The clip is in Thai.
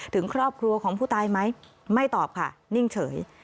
ถึงครอบครัวของผู้ตายไหมไม่ตอบค่ะนิ่งเฉย